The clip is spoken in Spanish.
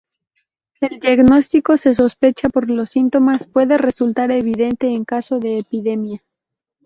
El diagnóstico se sospecha por los síntomas, puede resultar evidente en caso de epidemia.